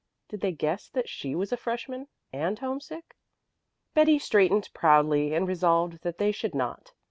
Did they guess that she was a freshman "and homesick"? Betty straightened proudly and resolved that they should not.